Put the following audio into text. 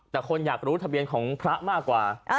แต่คนอยากรู้ทะเบียนของพระมากกว่า